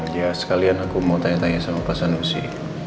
ya sekalian aku mau tanya tanya sama pak sanusi